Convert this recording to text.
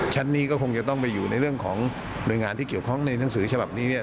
ชั้นนี้ก็คงจะต้องไปอยู่ในเรื่องของหน่วยงานที่เกี่ยวข้องในหนังสือฉบับนี้เนี่ย